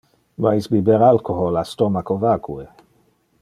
Mais biber alcohol a stomacho vacue!